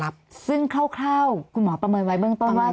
คือคร่าวคุณหมอประเมินไว้แบบไหน